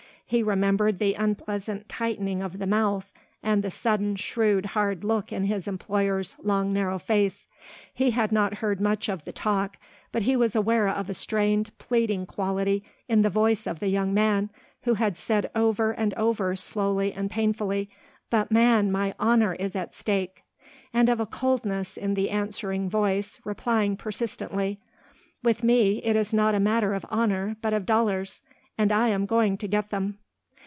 He remembered the unpleasant tightening of the mouth and the sudden shrewd hard look in his employer's long narrow face. He had not heard much of the talk, but he was aware of a strained pleading quality in the voice of the young man who had said over and over slowly and painfully, "But, man, my honour is at stake," and of a coldness in the answering voice replying persistently, "With me it is not a matter of honour but of dollars, and I am going to get them."